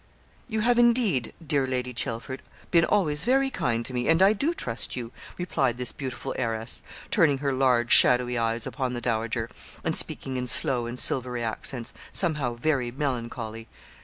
'You have, indeed, dear Lady Chelford, been always very kind to me, and I do trust you,' replied this beautiful heiress, turning her large shadowy eyes upon the dowager, and speaking in slow and silvery accents, somehow very melancholy.